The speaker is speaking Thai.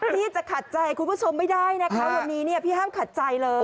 พี่จะขัดใจคุณผู้ชมไม่ได้นะคะวันนี้เนี่ยพี่ห้ามขัดใจเลย